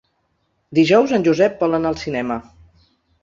Dijous en Josep vol anar al cinema.